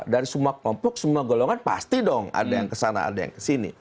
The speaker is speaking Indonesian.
dari semua kelompok semua golongan pasti dong ada yang kesana ada yang kesini